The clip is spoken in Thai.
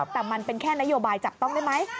แต่มันเป็นแค่นโยบายจับต้องได้ไหม